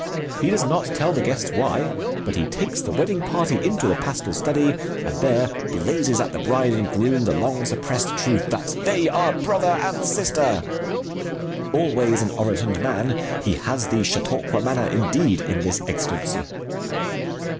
He does not tell the guests why. But he takes the wedding party into the pastor's study and there blazes at the bride and groom the long suppressed truth that they are brother and sister. Always an orotund man, he has the Chautauqua manner indeed in this exigency.